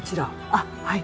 あっはい。